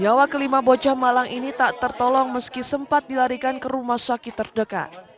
nyawa kelima bocah malang ini tak tertolong meski sempat dilarikan ke rumah sakit terdekat